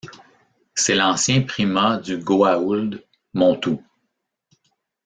C'est l'ancien Prima du goa'uld Montou.